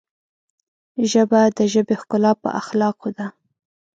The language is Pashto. ژبه د ژبې ښکلا په اخلاقو ده